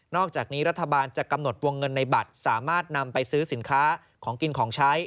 อกจากนี้รัฐบาลจะกำหนดวงเงินในบัตรสามารถนำไปซื้อสินค้าของกินของใช้